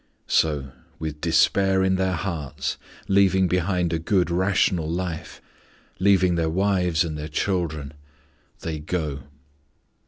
So with despair in their hearts, leaving behind a good rational life, leaving their wives and their children, they go.